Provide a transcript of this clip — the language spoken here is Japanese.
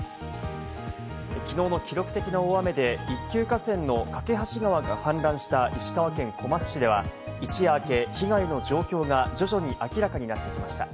昨日の記録的な大雨で一級河川の梯川が氾濫した石川県小松市では、一夜明け、被害の状況が徐々に明らかになってきました。